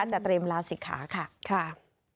เดี๋ยวเตรียมลาเสกขาค่ะค่ะ